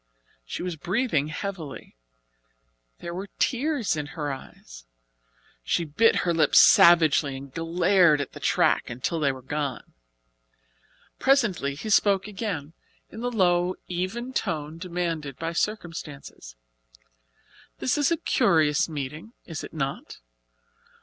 She was breathing heavily. There were tears in her eyes she bit her lips savagely and glared at the track until they were gone. Presently he spoke again, in the low, even tone demanded by circumstances. "This is a curious meeting, is it not?